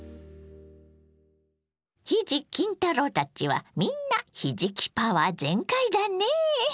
ひじ・きん太郎たちはみんなひじきパワー全開だねぇ。